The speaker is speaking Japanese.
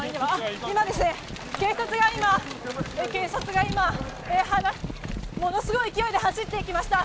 警察が今ものすごい勢いで走っていきました。